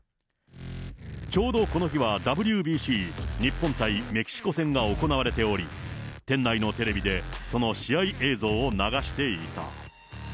ちょうどこの日はＷＢＣ、日本対メキシコ戦が行われており、店内のテレビでその試合映像を流していた。